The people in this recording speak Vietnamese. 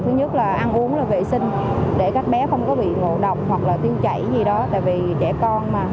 thứ nhất là ăn uống là vệ sinh để các bé không có bị ngộ độc hoặc là tiêu chảy gì đó tại vì trẻ con mà